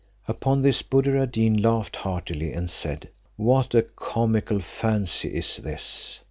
Upon this Buddir ad Deen laughed heartily, and said, "What a comical fancy is this!